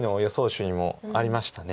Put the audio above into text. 手にもありました。